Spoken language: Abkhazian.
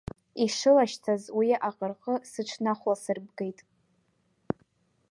Ишылашьцаз, уи аҟырҟы сыҽнахәласырбгеит.